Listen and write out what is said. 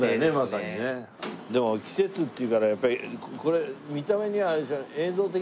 でも季節っていうからやっぱりこれ見た目にはあれですか？